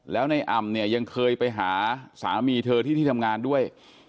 แล้วในอ่ำเนี่ยยังเคยไปหาสามีเธอที่ที่ทำงานด้วย